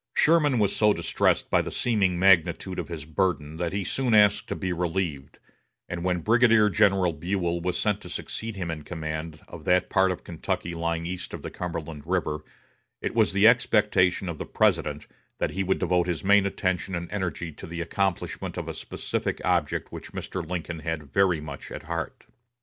Sherman was so distressed by the seeming magnitude of his burden that he soon asked to be relieved; and when Brigadier General Buell was sent to succeed him in command of that part of Kentucky lying east of the Cumberland River, it was the expectation of the President that he would devote his main attention and energy to the accomplishment of a specific object which Mr. Lincoln had very much at heart.